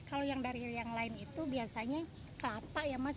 kalau yang dari yang lain itu biasanya kelapa ya mas